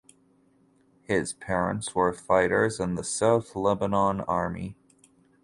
His parents were fighters in the South Lebanon Army.